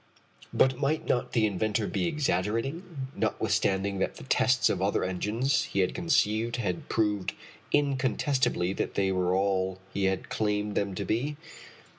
But might not the inventor be exaggerating, notwithstanding that the tests of other engines he had conceived had proved incontestably that they were all he had claimed them to be?